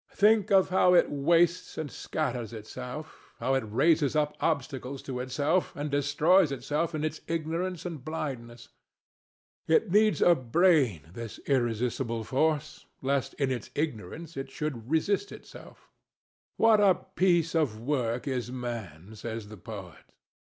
Think of how it wastes and scatters itself, how it raises up obstacles to itself and destroys itself in its ignorance and blindness. It needs a brain, this irresistible force, lest in its ignorance it should resist itself. What a piece of work is man! says the poet.